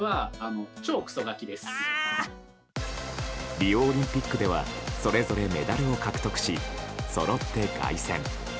リオオリンピックではそれぞれメダルを獲得しそろって凱旋。